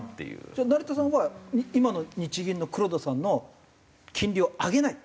じゃあ成田さんは今の日銀の黒田さんの「金利を上げない」。